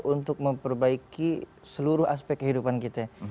untuk memperbaiki seluruh aspek kehidupan kita